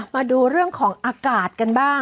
มาดูเรื่องของอากาศกันบ้าง